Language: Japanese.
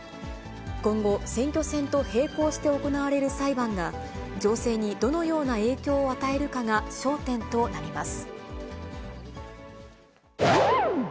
今後、選挙戦と並行して行われる裁判が、情勢にどのような影響を与えるかが焦点となります。